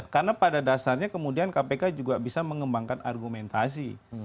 karena pada dasarnya kemudian kpk juga bisa mengembangkan argumentasi